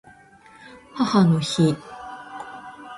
母の日